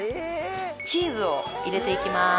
チーズを入れて行きます。